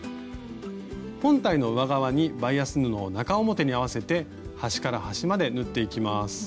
本体の上側にバイアス布を中表に合わせて端から端まで縫っていきます。